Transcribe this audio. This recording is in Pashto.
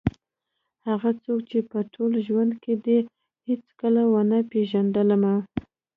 هغه څوک چې په ټول ژوند کې دې هېڅکله ونه پېژندلم.